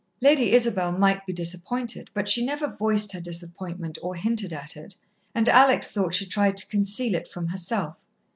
Lady Isabel might be disappointed, but she never voiced her disappointment or hinted at it, and Alex thought she tried to conceal it from herself.